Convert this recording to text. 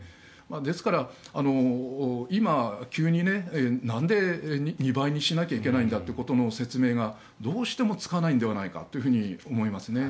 ですから、今、急になんで２倍にしなきゃいけないんだということの説明がどうしてもつかないのではないかと思いますね。